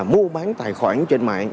mua bán tài khoản trên mạng